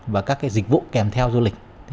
và các dịch vụ kèm theo du lịch